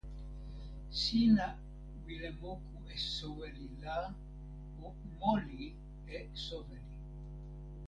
sina wile moku e soweli la o moli e soweli.